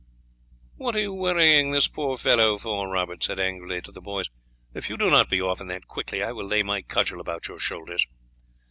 "What are you worrying this poor fellow for?" Robert said angrily to the boys. "If you do not be off, and that quickly, I will lay my cudgel about your shoulders."